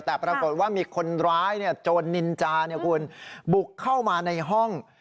แต่ปรากฏว่ามีคนร้ายโจรนินจาคุณบุกเข้ามาในห้อง